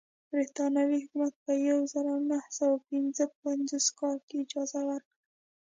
برېټانیا حکومت په یوه زرو نهه سوه پنځه پنځوسم کال کې اجازه ورکړه.